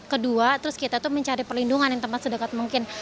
kedua terus kita tuh mencari perlindungan yang tempat sedekat mungkin